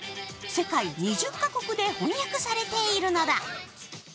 世界２０カ国で翻訳されているのだ。